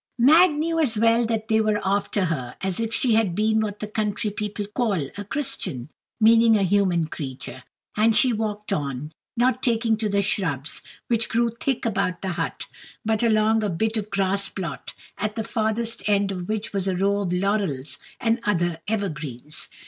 Mag knew as well that they were after her as if she had been what the country people call a Christian, meaning a human creature. And she walked on, not taking to the shrubs, which grew thick about the hut, but along a bit of grass plot, at the farthest end of which was a row of laurels and other evergreens.